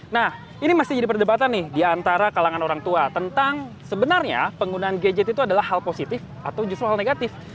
nah ini masih jadi perdebatan nih diantara kalangan orang tua tentang sebenarnya penggunaan gadget itu adalah hal positif atau justru hal negatif